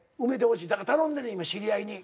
頼んでんねん今知り合いに。